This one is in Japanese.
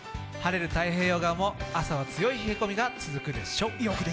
晴れる太平洋側も朝は強い冷え込みがあるでしょう。